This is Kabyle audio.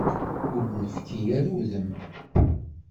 Ur d-nefki ara udem.